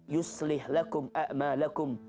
yuslih lakum a'ma lakum